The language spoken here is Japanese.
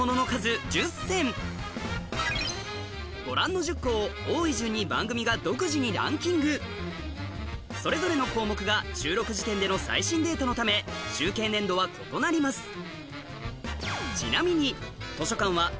ご覧の１０個を多い順に番組が独自にランキングそれぞれの項目が収録時点での最新データのため集計年度は異なります